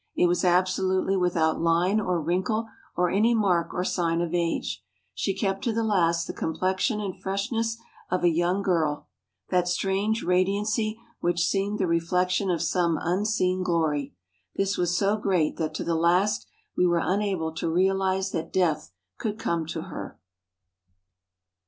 It was absolutely without line or wrinkle or any mark or sign of age. She kept to the last the complexion and freshness of a young girl; that strange radiancy which seemed the reflection of some unseen glory. This was so great that to the last we were unable to realise that death could come to her."